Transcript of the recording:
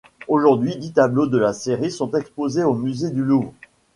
Aujourd'hui, dix tableaux de la série sont exposés au musée du Louvre.